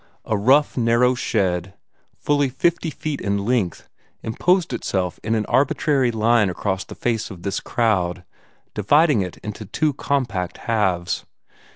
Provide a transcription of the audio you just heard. A rough, narrow shed, fully fifty feet in length, imposed itself in an arbitrary line across the face of this crowd, dividing it into two compact halves.